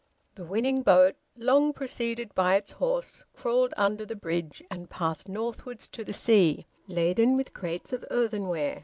The winning boat, long preceded by its horse, crawled under the bridge and passed northwards to the sea, laden with crates of earthenware.